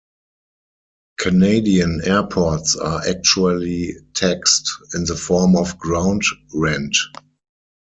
Canadian airports are actually "taxed" in the form of ground rent.